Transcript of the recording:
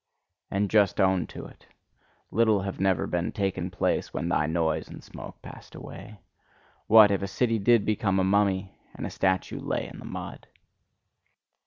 And just own to it! Little had ever taken place when thy noise and smoke passed away. What, if a city did become a mummy, and a statue lay in the mud!